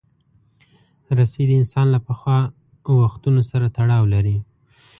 رسۍ د انسان له پخوا وختونو سره تړاو لري.